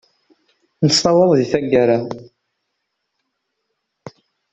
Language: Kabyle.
Nessawaḍ di taggara.